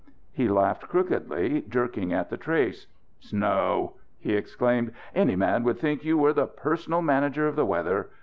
He laughed crookedly, jerking at the trace. "Snow!" he exclaimed. "A man would think you were the personal manager of the weather.